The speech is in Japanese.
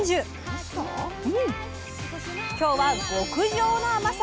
今日は極上の甘さ！